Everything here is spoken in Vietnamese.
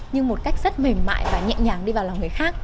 nhưng một cách rất mềm mại và nhẹ nhàng đi vào lòng người khác